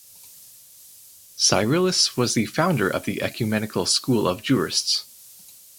Cyrillus was the founder of the ecumenical school of jurists.